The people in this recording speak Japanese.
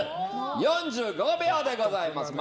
４５秒でございます。